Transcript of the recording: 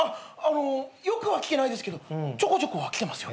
よくは来てないですけどちょこちょこは来てますよ。